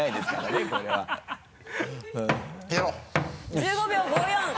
１５秒５４。